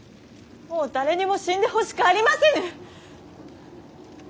もう誰にも死んでほしくありませぬ！